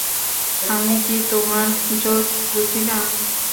আমি কি তোমার জোক্স বুঝি না?